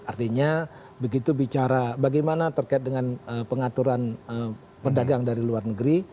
artinya begitu bicara bagaimana terkait dengan pengaturan pedagang dari luar negeri